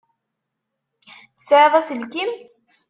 Tesεiḍ aselkim?